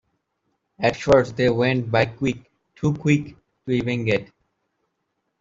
At first they went by quick, too quick to even get.